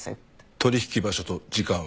取引場所と時間は？